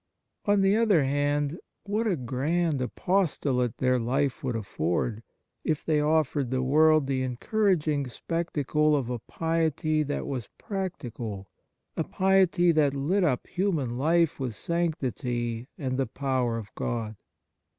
On the other hand, what a grand apostolate their life would afford, if they offered the world the encouraging spectacle of a piety that 16 The Nature of Piety was practical, a piety that lit up human life with sanctity and the power of God